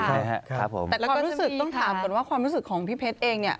แต่เราก็รู้สึกต้องถามก่อนว่าความรู้สึกของพี่เพชรเองเนี่ย